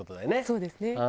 そうですね。